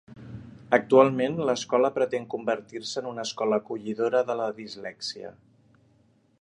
Actualment, l'escola pretén convertir-se en una escola acollidora de la dislèxia.